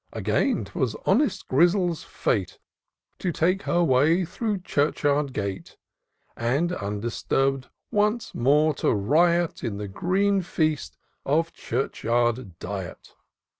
Again, 'twas honest Grizzle's fate To take her way through church yard gate ; And, undisturb'd, once more to riot In the green feast of church yard diet.